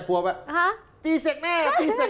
ตีแสกแม่ตีแสกหน้า